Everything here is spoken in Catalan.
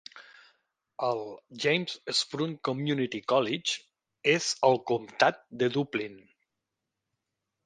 El James Sprunt Community College és al comtat de Duplin.